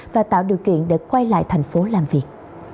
và tạo điều kiện để quay lại thành phố làm việc